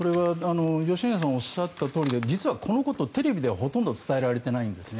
吉永さんがおっしゃったとおりで実はこのことはテレビで報道されていないんですね。